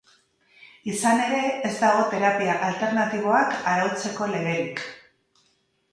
Izan ere, ez dago terapia alternatiboak arautzeko legerik.